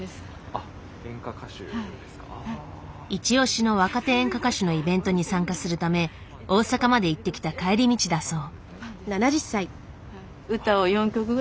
いち押しの若手演歌歌手のイベントに参加するため大阪まで行ってきた帰り道だそう。